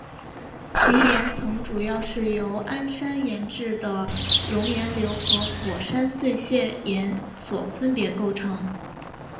其岩层主要是由安山岩质的熔岩流和火山碎屑岩所分别构成。